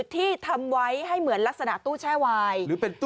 ที่ทำไว้ให้เหมือนลักษณะตู้แช่วาย